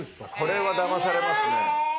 これはだまされますね。